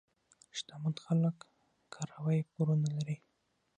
شتمن خلک ګروۍ پورونه لري.